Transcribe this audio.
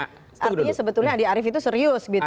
artinya sebetulnya adi arif itu serius gitu